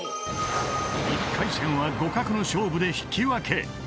［１回戦は互角の勝負で引き分け］